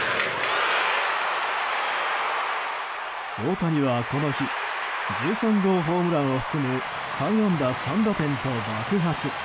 大谷は、この日１３号ホームランを含む３安打３打点と爆発。